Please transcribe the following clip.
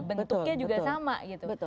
bentuknya juga sama gitu